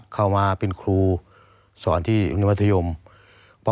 ครูหมีเป็นครูอยู่ที่จังหวัดชายภูมินะครับ